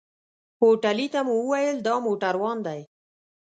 هوټلي ته مو وويل دا موټروان دی.